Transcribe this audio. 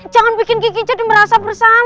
jangan bikin gigi jadi merasa bersama